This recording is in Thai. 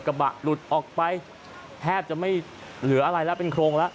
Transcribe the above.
กระบะหลุดออกไปแทบจะไม่เหลืออะไรแล้วเป็นโครงแล้ว